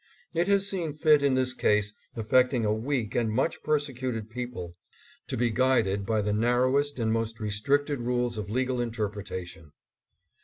It has seen fit in this case affecting a weak and much persecuted people, to be guided by the narrowest and most restricted rules of legal interpretation.